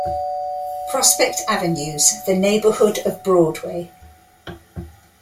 Prospect Avenues, the neighborhood of Broadway.